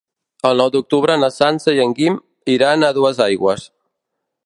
El nou d'octubre na Sança i en Guim iran a Duesaigües.